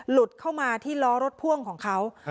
หลุดเข้ามาที่ล้อรถพ่วงของเขา